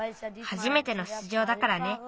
はじめてのしゅつじょうだからね。